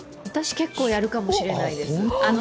私、結構やるかもしれないです。